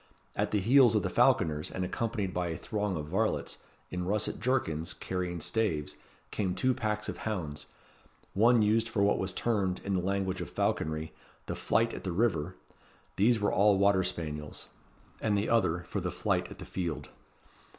At the heels of the falconers, and accompanied by a throng of varlets, in russet jerkins, carrying staves, came two packs of hounds, one used for what was termed, in the language of falconry, the Flight at the River, these were all water spaniels; and the other, for the Flight at the Field.